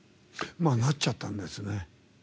まあなっちゃったんですね。